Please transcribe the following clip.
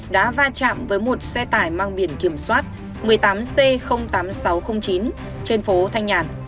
đã va chạm với một xe tải mang biển kiểm soát một mươi tám c tám nghìn sáu trăm linh chín trên phố thanh nhàn